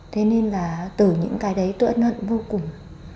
thế nên là từ những cái đấy tôi ân hận vô cùng